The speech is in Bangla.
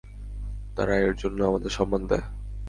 তারা এরজন্য আমাদের সম্মান দেয়।